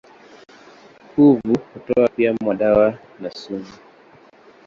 Kuvu hutoa pia madawa na sumu.